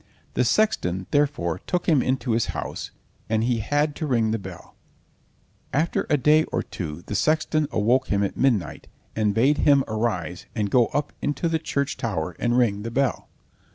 The sexton, therefore, took him into his house, and he had to ring the bell. After a day or two the sexton awoke him at midnight, and bade him arise and go up into the church tower and ring the bell.